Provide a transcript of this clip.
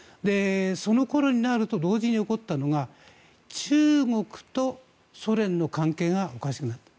その頃になると同時に起こったのが中国とソ連の関係がおかしくなった。